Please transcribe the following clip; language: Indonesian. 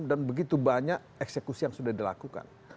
karena begitu banyak eksekusi yang sudah dilakukan